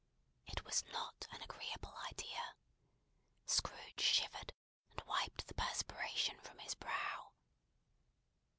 It was not an agreeable idea. Scrooge shivered, and wiped the perspiration from his brow.